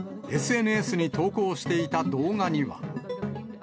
ＳＮＳに投稿していた動画には。